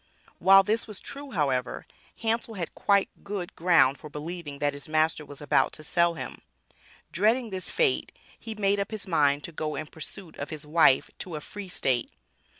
While this was true, however, Hansel had quite good ground for believing that his master was about to sell him. Dreading this fate he made up his mind to go in pursuit of his wife to a Free state.